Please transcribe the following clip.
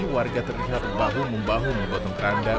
warga terlihat membahu membahu menggotong keranda